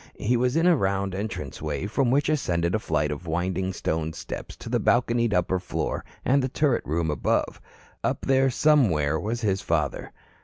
He was in a round entranceway from which ascended a flight of winding stone steps to the balconied upper floor and the turret rooms above. Up there, somewhere, was his father.